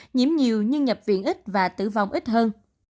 nhiễm nhiều nhưng nhập viện ít và tử vong ít hơn